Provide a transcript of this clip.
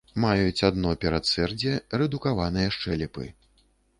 Маюць адно перадсэрдзе, рэдукаваныя шчэлепы.